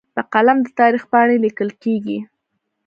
په قلم د تاریخ پاڼې لیکل کېږي.